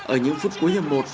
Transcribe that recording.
ở những phút cuối nhầm một